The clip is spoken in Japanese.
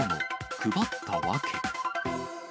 配った訳。